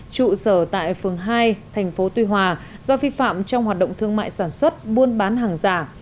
trụ sở tại phường hai thành phố tuy hòa do vi phạm trong hoạt động thương mại sản xuất buôn bán hàng giả